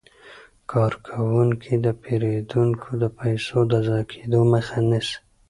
کارکوونکي د پیرودونکو د پيسو د ضایع کیدو مخه نیسي.